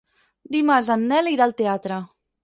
Dimarts en Nel irà al teatre.